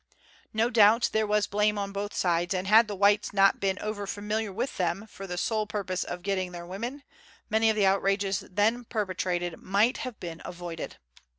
No doubt, there was blame on both sides, and had the whites not been over familiar with them, for the sole purpose of 206 Letters from Victorian Pioneers. getting their women, many of the outrages then perpetrated might have been avoided.